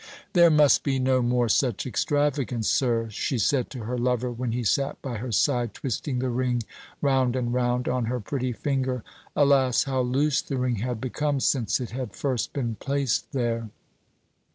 "There must be no more such extravagance, sir," she said to her lover, when he sat by her side twisting the ring round and round on her pretty finger. Alas, how loose the ring had become since it had first been placed there!